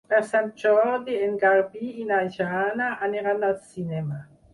Per Sant Jordi en Garbí i na Jana aniran al cinema.